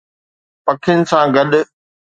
پکين سان گڏ